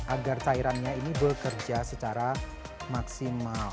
agar cairannya ini bekerja secara maksimal